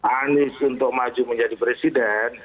anies untuk maju menjadi presiden